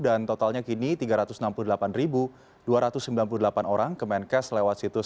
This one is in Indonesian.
dan totalnya kini tiga ratus enam puluh delapan dua ratus sembilan puluh delapan orang kemenkes lewat situs